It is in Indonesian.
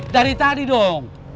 dari tadi dong